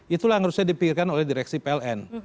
itulah yang harus saya dipikirkan oleh direksi pln